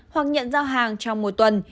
hoặc nhận giao hàng trong một tuần